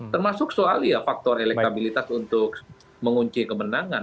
termasuk soal ya faktor elektabilitas untuk mengunci kemenangan